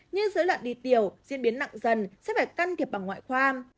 như dối loạn đi tiểu diễn biến nặng dần sẽ phải can thiệp bằng ngoại khoa